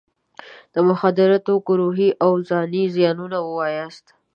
د مخدره توکو روحي او ځاني زیانونه ووایاست.